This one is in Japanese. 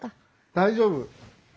大丈夫。